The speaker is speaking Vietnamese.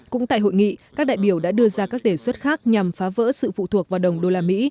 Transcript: cũng tại hội nghị các đại biểu đã đưa ra các đề xuất khác nhằm phá vỡ sự phụ thuộc vào đồng đô la mỹ